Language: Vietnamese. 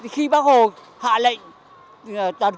khi bác hồ hạ lệnh